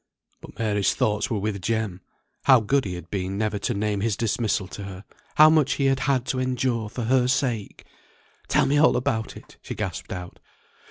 But Mary's thoughts were with Jem. How good he had been never to name his dismissal to her. How much he had had to endure for her sake! "Tell me all about it," she gasped out.